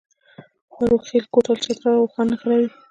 د بروغیل کوتل چترال او واخان نښلوي